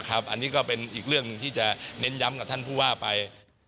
อันนี้ก็เป็นอีกเรื่องหนึ่งที่จะเน้นย้ำกับท่านผู้ว่าไป